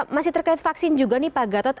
masih terkait vaksin juga nih pak gatot